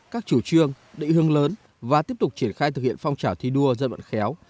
các chủ trương định hướng lớn và tiếp tục triển khai thực hiện phong trào thi đua dân vận khéo